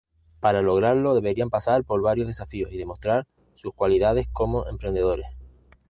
Para lograrlo deberán pasar por varios desafíos y demostrar sus cualidades como Emprendedores.